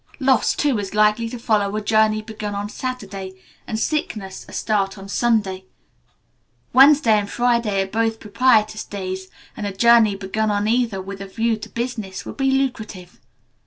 Loss, too, is likely to follow a journey begun on Saturday, and sickness a start on Sunday. Wednesday and Friday are both propitious days, and a journey begun on either with a view to business will be lucrative.